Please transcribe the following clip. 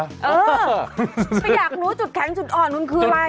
อยากรู้จุดแข็งจุดอ่อนมันคืออะไร